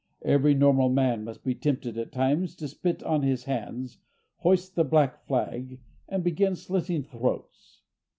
Every normal man must be tempted, at times, to spit on his hands, hoist the black flag, and begin slitting throats.